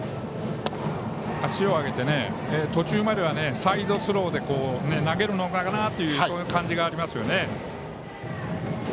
足を上げて途中まではサイドスローで投げるのかなという感じがありますよね。